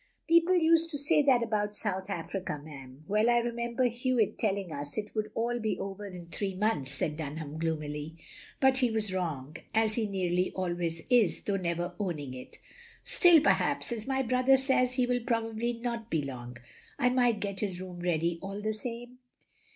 " "People used to say that about South Africa, ma'am. Well I remember Hewitt telling us it wotild all be over in three months, " said Dunham gloomily. " But he was wrong, as he nearly always is though never owning it. " "Still perhaps — as my brother says he will probably not be long — I might get his room ready all the same?"